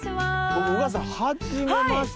僕宇賀さんはじめまして？